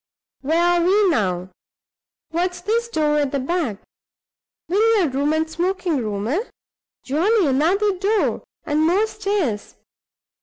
Where are we now? What's this door at the back? Billiard room and smoking room, eh? Jolly. Another door! and more stairs!